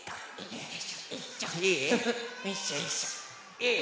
いい？